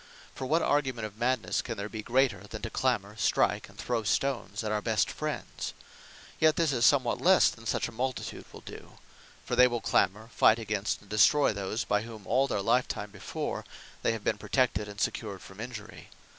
For what argument of Madnesse can there be greater, than to clamour, strike, and throw stones at our best friends? Yet this is somewhat lesse than such a multitude will do. For they will clamour, fight against, and destroy those, by whom all their lifetime before, they have been protected, and secured from injury.